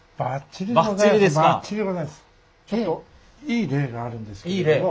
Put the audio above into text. ちょっといい例があるんですけれども。